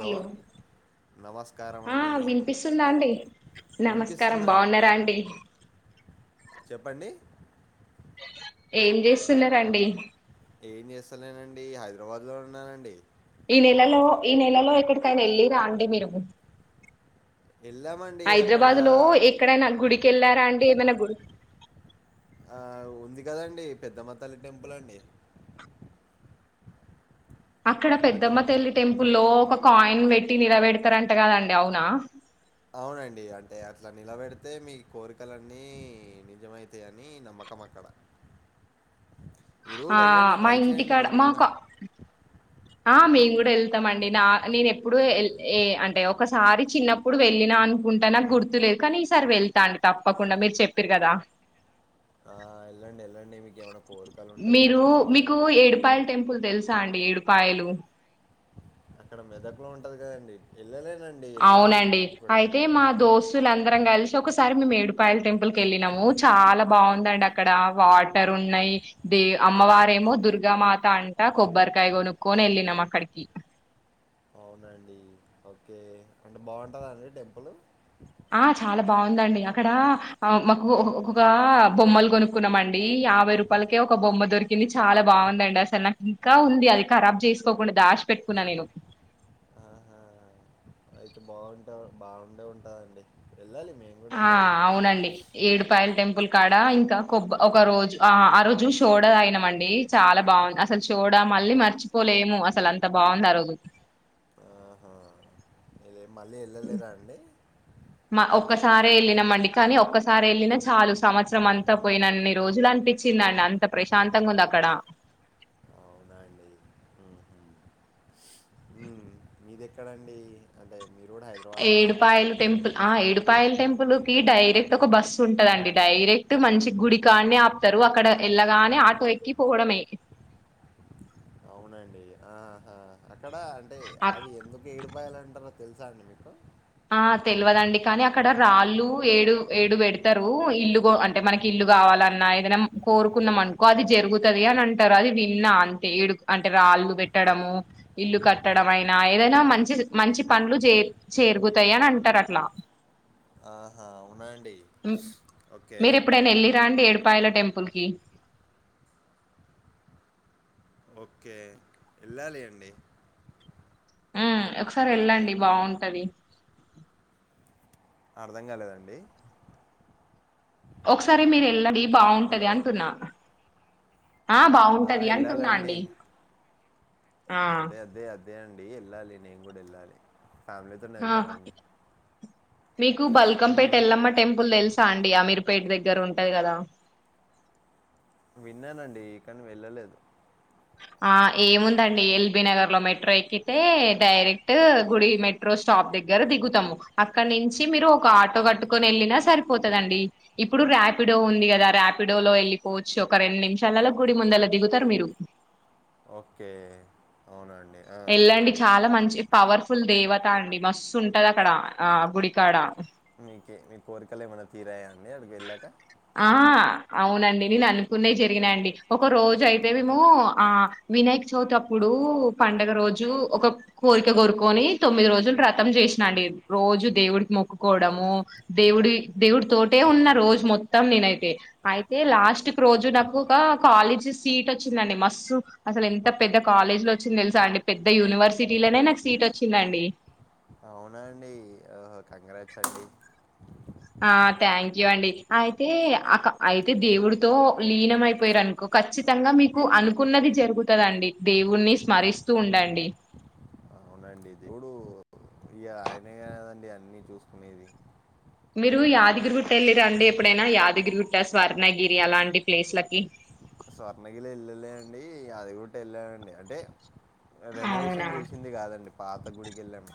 Hello నమస్కారం ఆ అండి వినిపిస్తుందా అండి నమస్కారం వినిపిస్తుందండి బాగున్నారా అండి చెప్పండి ఏం చేస్తున్నారండి ఏం చేస్తలేనండి హైదరాబాద్ లో ఉన్నానండి ఈ నెలలో ఈ నెలలో ఎక్కడికైనా వెళ్ళిరా అండి మీరు వెళ్ళామండి అక్కడ హైదరాబాద్ లో ఎక్కడైనా గుడికి కి ఎలార అండి ఏమన్నా గుడికి ఆ ఉంది కదండి పెద్దమతల్లి టెంపుల్ అండి అక్కడ పెద్దమ్మ తల్లి టెంపుల్లో ఒక కాయిన్ పెట్టి నిలబెడతారంట కదండి అవునా అవునండి అంటే అట్లా నిలబెడితే మీ కోరికలన్నీ నిజమైతాయని నమ్మకం అక్కడ మీరు ఆ కూడా వెళ్ళండి మా ట్రై చేయండి ఇంటికాడ మీరు కూడా మాకు ఆ మేము కూడా వెళ్తామ అండి నా నేను ఎప్పుడు ఏ అంటే ఒకసారి చిన్నప్పుడు వెళ్ళినా అనుకుంటా నాకు గుర్తులేదు కానీ ఈసారి వెళ్తా అండి తప్పకుండా మీరు చెప్పారు కదా ఆ, వెళ్ళండి వెళ్ళండి మీకు ఏమైనా కోరికలు ఉంటే కూడా మీరు మీకు తీరిపోతాయండి ఏడిపాయల్ టెంపుల్ తెలుసు చ అండి ఏడుపాయలు అక్కడ మెదక్లో ఉంటది కదండి వెళ్ళలేనండి వెళ్ళాలి అవునండి నేను కూడా అయితే మా దోస్తులు అందరం కలిసి ఒకసారి మేడిపాయల్ టెంపుల్ కి వెళ్ళినము చాలా బాగుందండి అక్కడ వాటర్ ఉన్నాయి దే అమ్మవారేమో దుర్గామాత అంటా కొబ్బరికాయ కొనుక్కొని వెళ్ళినము అక్కడికి అవునా అండి ఓకే అంటే బాగుంటుంద అండి టెంపుల్ ఆ చాలా బాగుందండి అక్కడ మాకు ఒ ఒకొ బొమ్మలు కొనుక్కున్నామ అండి యాభై రూపాయలకే ఒక బొమ్మ దొరికింది చాలా బాగుందండి అసలు నాకు ఇంకా ఉంది అది ఖరాబ్ చేసుకోకుండా దాష్ పెట్టుకున్నా నేను బాగుంటా బాగుండే ఉంటాందండి ఆ అవునండి ఏడుపాయల్ టెంపుల్ అక్కడ ఇంకా కొబ్బ ఒక రోజు ఆ ఆ రోజు సోడ తాగిన మండి చాలా బాగుంది అసలు సోడా మళ్ళీ మర్చిపోలేము అసలు అంత బాగుంది ఆ రోజు ఆహా! మీరే మళ్ళీ వెళ్ళలేరా అండి మా ఒక్కసారే వెళ్ళినమండి కానీ ఒక్కసారి వెళ్ళినా చాలు సంవత్సరం అంతా పోయిన అన్ని రోజులు అనిపించిందండి అంత ప్రశాంతంగా ఉంది అక్కడ అవునా అండి. హుహు. ఇది ఎక్కడండి అదే ఏడుపాయల టెంపుల్ ఆ ఏడుపాయల టెంపుల్ కి డైరెక్ట్ ఒక బస్ ఉంటదండి డైరెక్ట్ మంచి గుడి కాన్నే ఆపుతారు అక్కడ వెళ్ళగానే ఆటో ఎక్కి పోవడమే అవునండి ఆహా అ ఇక్కడ అంటే అది ఎందుకు ఏడిపోయాలంటారు తెలుసా అండి మీకు ఆ తెలియదండి కానీ అక్కడ రాళ్ళు ఏడు ఏడు పెడతారు ఇల్లు అంటే మనకి ఇల్లు కావాలన్నా ఏదైనా కోరుకున్నాం అనుకో అది జరుగుతుది అని అంటారు అది విన్నా అంతే ఏడు అంటే రాళ్ళు పెట్టడము ఇల్లు ఆ! కట్టడం అయినా ఏదైనా మంచి మంచి పనులు చే జరుగుతాయి అని అంటారు అట్లా ఆహా! అవునా అండి. ఓకే. మీరు ఎప్పుడైనా వెళ్ళి రండి ఏడిపాయల టెంపుల్ కి వెళ్ళాలి అండి ఆ ఒకసారి వెళ్ళండి బాగుంటది అర్ధం కాలేదండి ఒకసారి మీరు వెళ్ళండి బాగుంటది హలో అంటున్నా ఆ ఆ, బాగుంటది అంటున్నా వెళ్ళాలండి అండి ఆ అదే అదే అదే అండి ఏళ్లాలి కూడా వెళ్ళాలి ఫ్యామిలీతో ఆ వెళ్తానండి మీకు బల్కంపేట మ్మ్, ఎల్లమ్మ టెంపుల్ తెలుస చాండియా ఆమీరుపేట దగ్గర ఉంటది కదా విన్నానండి ఇక్కని వెళ్ళలేదు ఆ ఏముందండి ఎల్బి నగర్ లో మెట్రో ఎక్కితే డైరెక్ట్ గుడి మెట్రో స్టాప్ దగ్గర దిగుతాము అక్కడి నుంచి మీరు ఒక ఆటో కట్టుకొని వెళ్ళినా సరిపోతుందిండి ఇప్పుడు ర్యాపిడో ఉంది కదా ర్యాపిడోలో వెళ్ళిపోవచ్చు ఒక రెండు నిమిషాలలో గుడి ముందలా దిగుతారు మీరు ఓకే అవునండి వెళ్ళండి చాలా మంచి పవర్ఫుల్ దేవత అండి మస్తు ఉంటది అక్కడ ఆ గుడికాడ మీక మీ కోరికలు ఏమన్నా తీరాయా అంటే ఆకడికివేల్లక ఆ అవునండి నేను అనుకునే జరిగినా అండి ఒక రోజు అయితే మేము ఆ వినాయక చవితి అప్పుడు పండుగ రోజు ఒక కోరిక కోరుకొని తొమ్మిది రోజులు ర్రతం చేసినాండి రోజు దేవుడికి మొక్కుకోవడము దేవుడి దేవుడి తోటి టే ఉన్న రోజు మొత్తం నేనైతే అయితే లాస్ట్కు రోజు నాకు ఒక కాలేజీ సీట్ వచ్చిందండి మస్స్తు అసలు ఎంత పెద్ద కాలేజీ లో వచ్చిందో తెలుసా అండి పెద్ద యూనివర్సిటీలోనే నాకు సీట్ వచ్చిందండి ఓహో కంగ్రాట్ అండి ఆ థ్యాంక్ యూ అండి అయితే అ అయితే దేవుడితో లీనమయిపోయారునుకో ఖచ్చితంగా మీకు అనుకున్నది జరుగుతుదండి దేవుడిని స్మరిస్తూ ఉండండి మీ దేవడు [unintelligible] [inaudible] [unintelligible] మీరు యాదగిరిగుట్ట వెళ్ళిరా అండి ఎప్పుడైనా యాదగిరిగుట్ట స్వర్ణగిరి అలాంటి ప్లేస్ లకి స్వర్ణగిల వెల్ళలే అండి అదిగుట్ట ఎల్లాలండీ అంటే అవునా రేనవేషన్ చేసింది కాదండి పాత గుడికి ఎల్లం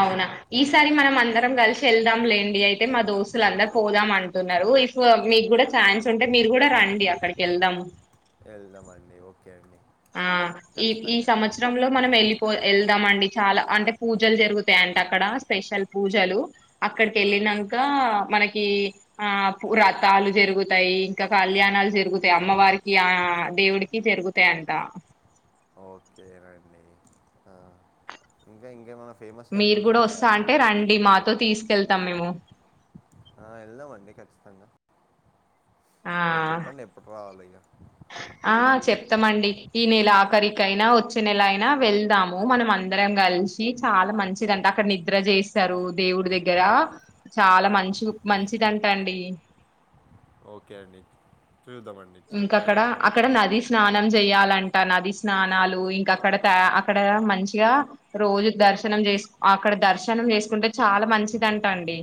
అవునా ఈసారి మనం అందరం కలిసి వెళ్దాం లేండి అయితే మా దోస్తులు అందరు పోదాం అంటున్నారు ఇఫ్ మీకు కూడా ఛాన్స్ ఉంటే మీరు కూడా రండి అక్కడికి వెళ్దాం వెళ్దామండి ఓ ఆ ఈ ఈ సంవత్సరంలో మనం వెళ్ళిపో ఎల్ ద్దాం అండి చాలా అంటే పూజలు జరుగుతాయింట అక్కడ స్పెషల్ పూజలు అక్కడికి ఆహా, వెళ్ళినాక మనకి ఆ వ్రతాలు జరుగుతాయి ఇంకా కళ్యాణాలు జరుగుతాయి అమ్మవారికి ఆ దేవుడికి జరుగుతాయి తా ఓకేనండి ఆ, ఇంకా ఇంకేమైనా ఫేమస్ మీరు టెంపుల్స్ కూడా ఉన్నాయా వస్తా అండి అంటే మీకు తెలిసి రండి మాతో తీసుకెళ్తాం మేము ఆ వెళ్దాం అండి ఖచ్చితంగా ఆ మీరు చెప్పండి ఎప్పుడు రావాలో ఇగ ఆ చెప్తామండి ఈ నెల ఆఖరికైనా వచ్చే నెల అయినా వెళ్దాము మనం అందరం కలిసి చాలా మంచిదంటే అక్కడ నిద్ర చేస్తారు దేవుడి దగ్గర చాలా మంచి మంచిదంట అండి ఓకే అండి చూద్దామండి చే- ట్రై ఇంకాక్కడ చేద్దాం అక్కడ నది స్నాన్ నం చెయాలంటా నది స్నానాలు ఇంకా అక్కడ త అక్కడ మంచిగా రోజు దర్శనం చేసు అక్కడ దర్శనం చేసుకుంటే చాలా మంచిదింటా అండి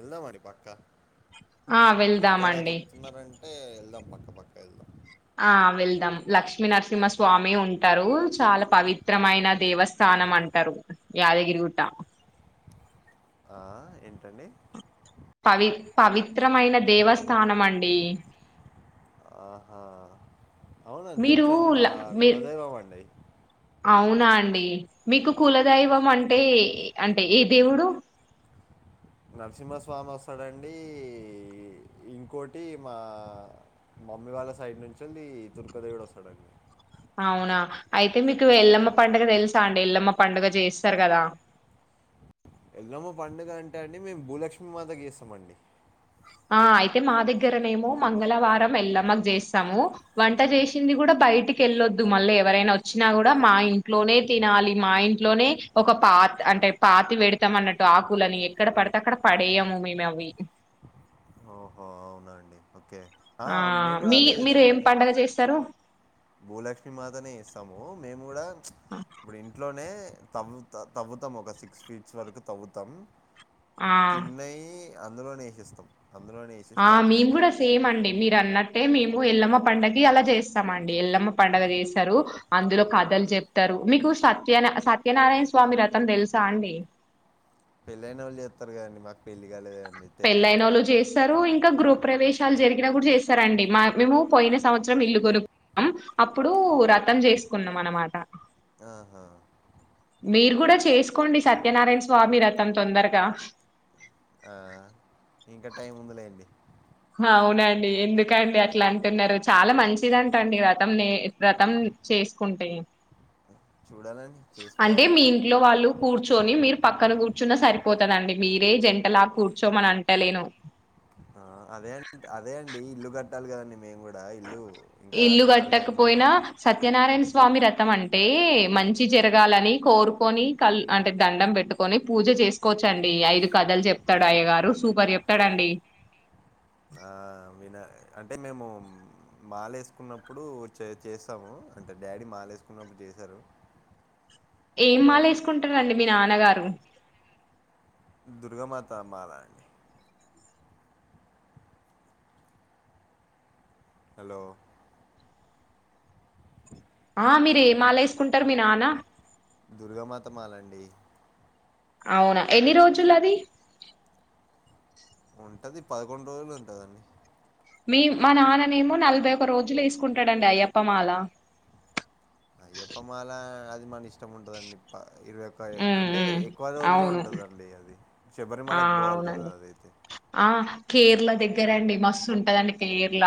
ఎల్దాం మడి పక్క ఆ మీ ఇంతేలా వెళ్దామండి చెప్తున్నారంటే ఇద్ద పక్క పక్క ఎల్దాం ఆ వెళ్దాం లక్ష్మీ నరసింహ స్వామి ఉంటారు చాలా పవిత్రమైన దేవస్థానం అంటారు యాదగిరిగుట్ట ఆ, ఏంటండి పవి పవిత్రమైన దేవస్థానం అండి అవున మీరు తెలుస అండి మా ల- మీ కులదైవం అండి అవునా అండి మీకు కులదైవం అంటే అంటే ఏ దేవుడు నరసింహస్వామి వస్తాడండి ఇంకోటి మా మమ్మీ వాళ్ళ సైడ్ నుంచి వెళ్ళి దుర్గా దేవుడు వస్తాడండి అవునా అయితే మీకు ఎల్లమ్మ పండుగ తెలుసా అండి ఎల్లమ్మ పండుగ చేస్తారు కదా వెల్లమ్మ పండుగ అంటే అండి మేము భూలక్ష్మి మాత చేస్తామండి ఆ అయితే మా దగ్గరనేమో మంగళవారం వెళ్ళమ్మకు చేస్తాము వంట చేసింది కూడా బయటికి వెళ్ళొద్దు మళ్ళీ ఎవరైనా వచ్చినా కూడా మా ఇంట్లోనే తినాలి మా ఇంట్లోనే ఒక పాత్ అంటే పాతి పెడతాం అన్నట్టు ఆకులని ఎక్కడ పడితే అక్కడ పడేయము మేము అవి ఓహో అవునా అండి ఓకే ఆ అవును మేము కూడా మీ అదే మీరు ఏం చేస్తామండి పడుగ చేస్తారు భూలక్ష్మి మాతనే చేస్తాము మేము కూడా ఇప్పుడు ఇంట్లోనే తౌ తా తవ్వుతాము ఒక సిక్స్ ఫీట్స్ వరకు తవ్వుతాం ఆ తిన్నైయ్ అందులోనేేషిస్తాం ఆ మేము కూడా సేమ్ అండి మీరు అన్న అంటే మేము ఎల్లమ్మ పండగ కిఅలా చేస్తామ అండి ఎల్లమ్మ పండగ చేస్తారు అందులో కథలు చెప్తారు మీకు సత్య సత్యనారాయణ స్వామి వ్రతంతెలుసా అండి పెళ్ళైన వాళ్ళు చేస్తారు కదండి మాకు పెళ్లి గాలెదండి తెలిదండి చెస్తారు. ఇంకా గ్రూప్ ప్రవేశాలు జరిగిన కూడా చేస్తారండి మా మేము పోయిన సంవత్సరం ఇల్లు కొనుకుంన్నాం అప్పుడు వ్రతంచేసుకున్నాం అనమాట ఆహా మీరు కూడా చేసుకోండి సత్యనారాయణ స్వామి వ్రతం తొందరగా ఆ ఇంకా టైం ఉందిలేండి అవునండి ఎందుకండి అట్లా అంటున్నారు చాలా మంచిదంట అండి వ్రతం నే వ్రతం చేసుకుంటే చూడాలండి అంటే చేసుకోవాలి మీ ఇంట్లో వాళ్ళు కూర్చొని మీరు పక్కన కూర్చున్న సరిపోతదండి మీరే జంట లా కూర్చో మన అంటలేను అదే అండిఅదే ఇల్లు కట్టాల కదా మేము కూడా ఇల్లు ఇంకా ఇల్లు చాలా టైం కట్టకపోయినా పడుతది సత్యనారాయణ స్వామి వ్రతంఅంటే మంచి జరగాలని కోరుకొని కల్ అంటే దండం పెట్టుకొని పూజ చేసుకోవచ్చండి ఐదు కథలు చెప్తాడు అయ్యగారు సూపర్ చెప్తాడండి ఆ విన అంటే మేము మాలేసుకున్నప్పుడు చెచేస్తాము అంటే డాడీ మాల వేసుకున్నప్పుడు చేశారు ఏం అప్పుడు మాలేసుకుంటా రండిమీ నాన్న నానగారు దుర్గామాత మాల అండి హలో ఆ మీరే మాల ఎసుకుంటారు మీ నానా దుర్గమాత మాలండి అవునా ఎన్ని రోజుల అది ఉంటది పదకొండు రోజులు ఉంటదండి మీ మా నాన్ననేమో నలభై ఒక రోజులు వేసుకుంటాడండి అయ్యప్పమాల అయ్యప్పమాల అది మనిష్ ఇష్టం ఉంటందండి ఇరవై ఉమ్ ఒకఅంటే ఉమ్ ఎక్కువ రోజుల్లో అవును ఉంటందండి అది ఆ శబరిమలకి పోవాలి కదా అవునండి అదైతే ఆ కేరళ దగ్గర అండి మస్తు ఉంటదండి కేరళ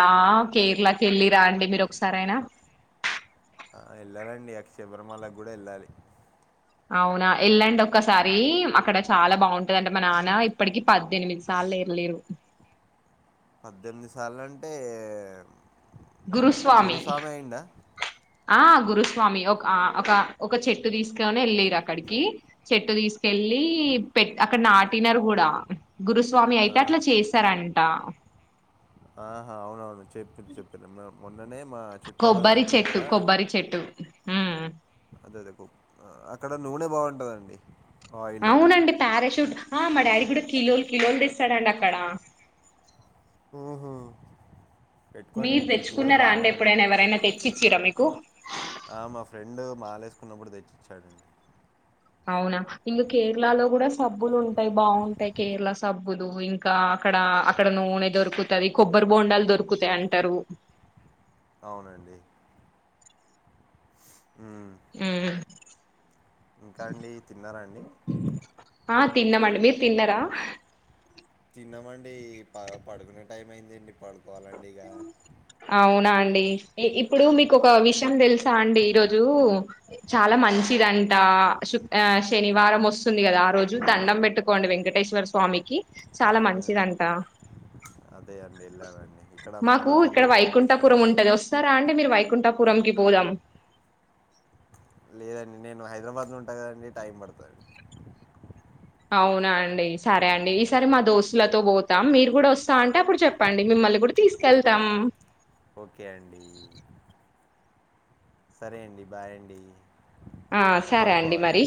కేరళకి వెళ్ళి రా అండి మీరు ఒకసారియినా వెళ్ళాలండి అక్షయ బ్రహ్మాలకు కూడా వెళ్ళాలి అవునా వెళ్ళండి ఒక్కసారి అక్కడ చాలా బాగుంటదింటే మా నాన్న ఇప్పటికి పద్దెనిమిది సార్లు యెలేరు పద్దెనిమిది సార్లు అంటే గురుస్వామి ఆ గురుస్వామి ఒక ఒక ఒక చెట్టు తీసుకని వెళ్ళరు అక్కడికి చెట్టు తీసుకెళ్ళి పెట్ అక్కడ నాటినారు కూడా గురుస్ స్వామి ఆ, అయితే అట్లా చేస్తారా అండి అంటా అవును చెపింది చెపింది మన కొబ్బరి చెట్టు కొబ్బరి చెట్టు ఉమ్ అదే అదే అక్కడ నూనె బాగుంటుందండి ఆయిల్ అవునండి పారాషూట్ ఆ మా డాడీ కూడా కిలోలు కిలోలు తెస్తాడండి అక్కడ ఓహో మీరు తెచ్చుకున్నారా అండి ఎప్పుడైనా ఎవరైనా తెచ్చిచ్చరా మీకు ఆ, మా ఫ్రెండ్ మాాలేసుకున్నప్పుడు తెచ్చిచ్చాడండి అవునా ఇంకా కేరళలో కూడా సబ్బులు ఉంటాయి బాగుంటాయి కేరళ సబ్బులు ఇంకా అక్కడ అక్కడ నూనె దొరుకుతుంది కొబ్బరి బోండాలు దొరుకుతాయి అంటారు అవునండి హ్మ్. ఆ ఇంకా అండి తిన్నారాండి ఆ తిన్నామండి మీరు తిన్నారా తన్నామండి పడుకునే టైం అయిందండి పడుకోవాలండి ఇగ. అవునా అన్ ఇప్పుడు మీకు ఒక విషయం తెలుసా అండి ఈరోజు చాలా మంచిదంటు శు శనివారం వస్తుంది కదా ఆ రోజు దండం పెట్టుకోండి వెంకటేశ్వర స్వామికి చాలా మంచిదంట మేల అండి ఇక్కడ మా మాకు దగ్గరలో ఇక్కడ గూడా వెంకటేశ్వర వైకుంఠపురం ఉంటది వస్తారా అండి అంటే మీరు వైకుంఠాపురంకి పోదాం లేదండి నేను హైదరాబాద్ లో ఉంటా కదండి టైం పడుతదండి అవునా అండి సరే అండి ఈసారి మా దోస్తులతో పోతాం మీరు కూడా వస్తా అంటే అప్పుడు చెప్పండి మిమ్మల్ని కూడా తీసుకెళ్తాం ఓకే అండి సరే అండి బాయ్ అండి ఆ సరే అండి మరి పడుకోవాలి.